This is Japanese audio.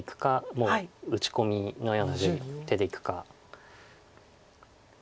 もう打ち込みのような手でいくか。